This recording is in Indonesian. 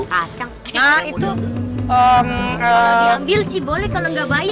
kalau diambil sih boleh kalau gak bayar